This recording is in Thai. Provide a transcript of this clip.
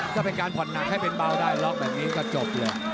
ถ้าเป็นการผ่อนหนักให้เป็นเบาได้ล็อกแบบนี้ก็จบเลย